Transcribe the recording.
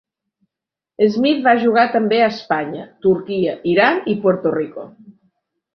Smith va jugar també a Espanya, Turquia, Iran i Puerto Rico.